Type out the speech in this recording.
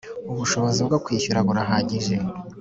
ubushobozi bwo kwishyura burahagije.